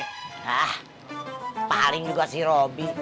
hah paling juga si robi